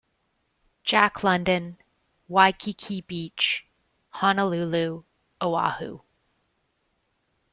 Jack London, Waikiki Beach, Honolulu, Oahu.